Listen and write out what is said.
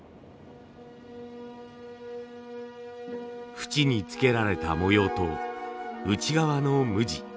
縁につけられた模様と内側の無地。